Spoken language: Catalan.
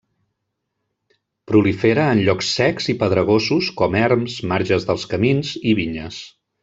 Prolifera en llocs secs i pedregosos com erms, marges dels camins i vinyes.